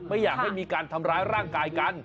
ไม่อยากให้มีการทำร้ายร่างกายกัน